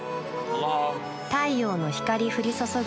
太陽の光降り注ぐ